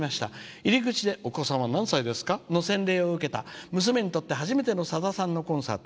入り口でお子さんは何歳ですか？の洗礼を受けた娘にとって初めてのさださんのコンサート。